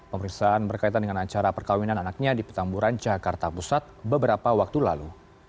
pemeriksaan berkaitan dengan acara perkawinan anaknya di petamburan jakarta pusat beberapa waktu lalu